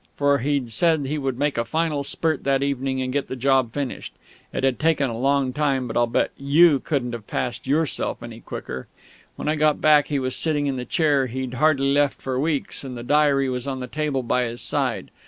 For he'd said he would make a final spurt that evening and get the job finished. It had taken a long time, but I'll bet you couldn't have passed yourself any quicker. When I got back he was sitting in the chair he'd hardly left for weeks, and the diary was on the table by his side.